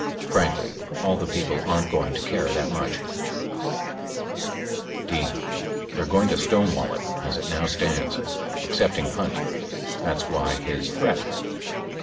Frankly, all the people aren't going to care that much. [pp. 225 26] D. They're going to stonewall it, as it now stands. Ex cepting Hunt. That's why his threat.